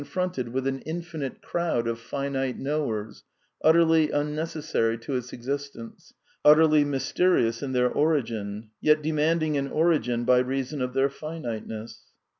V\ fronted with an infinite crowd of finite knowers, utterlrV^ unnecessary to its existence, utterly mysterious in their origin, yet demanding an origin by reason of their finite ness.